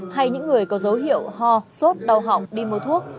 hay những người có dấu hiệu ho sốt đau họng đi mua thuốc